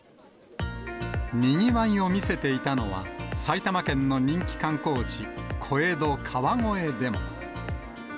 にぎわいを見せていたのは、埼玉県の人気観光地、小江戸、川越でも。